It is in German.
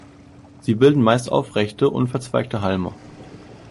Sie bilden meist aufrechte, unverzweigte Halme.